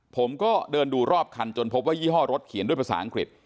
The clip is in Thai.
ผมก็เดินดูรอบคันจนพบว่ายี่ห้อรถเขียนด้วยภาษาอังกฤษ